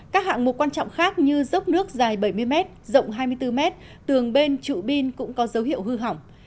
các hạng mục quan trọng khác như dốc nước dài bảy mươi m rộng hai mươi bốn mét tường bên trụ bin cũng có dấu hiệu hư hỏng